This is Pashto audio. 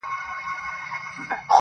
دې مخلوق ته به مي څنګه په زړه کیږم؟!